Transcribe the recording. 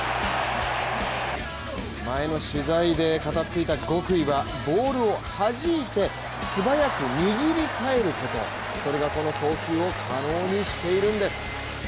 前の取材で語っていた極意はボールをはじいて、素早く握りかえること、それがこの送球を可能にしているんです。